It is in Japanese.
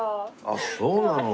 あっそうなの。